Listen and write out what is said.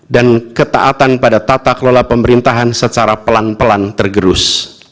dan ketaatan pada tata kelola pemerintahan secara pelan pelan tergerus